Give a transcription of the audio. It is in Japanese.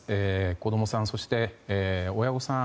子供さん、そして親御さん